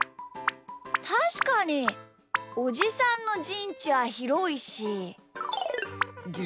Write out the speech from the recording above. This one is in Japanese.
たしかにおじさんのじんちはひろいし。